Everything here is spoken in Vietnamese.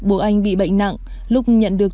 bố anh bị bệnh nặng lúc nhận được